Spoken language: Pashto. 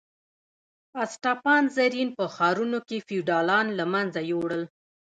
اسټپان رزین په ښارونو کې فیوډالان له منځه یوړل.